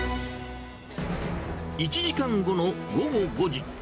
１時間後の午後５時。